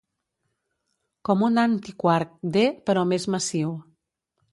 Com un antiquark d, però més massiu.